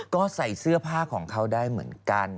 ก็ใส่เสื้อผ้าของเขาได้เหมือนกัน